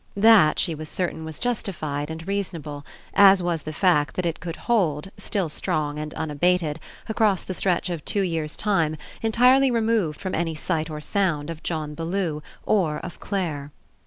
That, she was certain, was justified and reasonable, as was the fact that it could hold, still strong and unabated, across the stretch of two years' time entirely removed from any sight or sound of John Bellew, or of Clare.